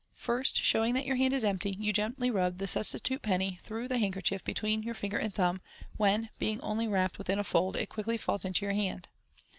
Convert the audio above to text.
First showing that your hand is empty, you gently rub the substitute penny through the handkerchief between your finger and thumb, when, being only wrapped within a fold, it quickly falls into your hand.